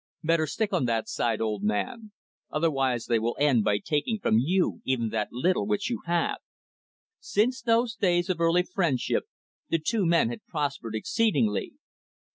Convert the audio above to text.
"Better stick on that side, old man. Otherwise they will end by taking from you even that little which you have." Since those days of early friendship, the two men had prospered exceedingly.